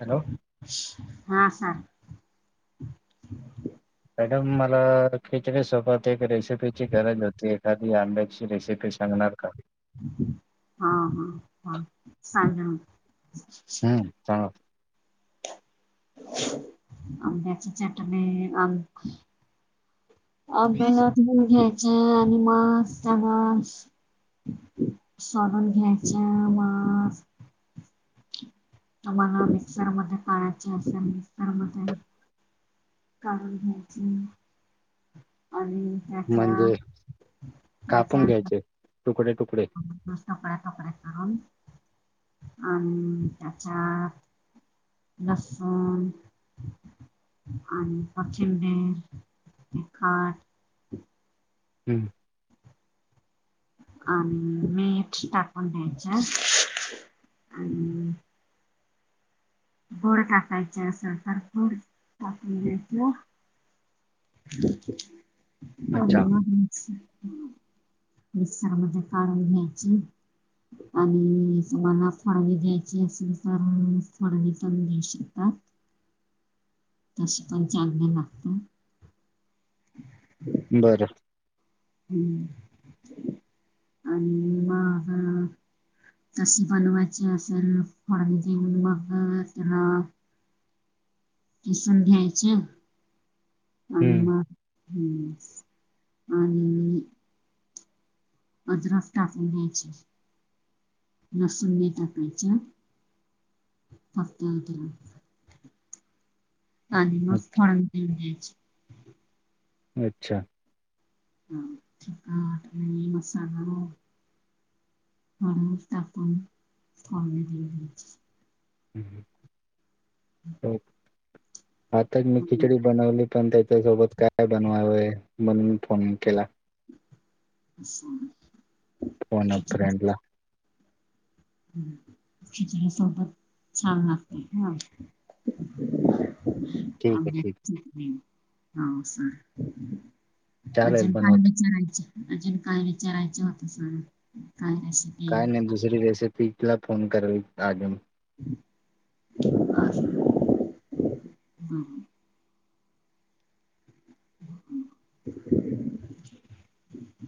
Hello हां हां madam मलां खिचडी सोबतं एक रेसिपीची गरजं होती एखादी आंब्याची रेसिपी सांग नां अकां हां हां हां सांगेन हम्मं सांगा आपल्यां अगलंतण घ्यायचे आणि मस्तं त्यांना सोडूंन घ्यायचं मस्तं तुम्हांला मिक्सरमध्यें काळांयचे असेल मिक्सर मध्यें काढूंन घ्यायची आणि त्याच्या म्हणजे ते कापूंन घ्यायचे तुकडे तुकडे नसतं फ्याकां फ्यां करूंन आणि त्यांच्यात लसूणं आणि पाचिमडे एक तिखंट हम्मं आणि मीठ टाकूनन द्यायचं आणि गोंड टाकांयचे असेल तरं गोंड टाकूंन घ्यायेतं आणि अच्छा मगं मिक्सर मध्यें काढूंन घ्यायची आणि तुम्हांला फोडणी द्यायची असेल तरं कोणांने पणं दे शेतांत तसं पणं चांगलं लागतं बरं हम्मं आणि मगं तशी बनवांयची असेल फोडणी देऊंन मगं त्यांला किसूंन घ्यायचं आणि हम्म मगं आणि अदरक टाकूंन द्यायचे लसूणं ही टाकांयच्या फक्तं आणि मगं अ- थोडं घ्यायचं अच्छा हां कां मसांला वगैरें म्हणूंन टाकूंण आपणं फळं दिले आताचं मी खिचडी बनवली पणं त्यांच्यासोबतं कायं बनवावंय म्हणूंन मी फोन केलां अच्छा फोनवर फ्रेंड लां खिचडी सोबतं छांन लागते हां ठीक आहे ठीक हां असं आहे चालेल अजूंन कायं बनवतो विचारायचं अजूंन कायं विचारायचं होतं संग कायं अं कायं नाहीं दुसरी रेसिपी लां फोन कराेल अजूंन [unintelligible] हम्म. [inaudible]